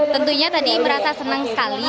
tentunya tadi merasa senang sekali